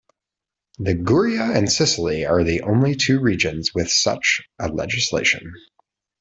Liguria and Sicily are the only two regions with such a legislation.